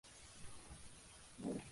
Y, tiene un hermano.